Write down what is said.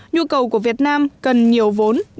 nhu cầu của việt nam cần nhiều vốn để phát triển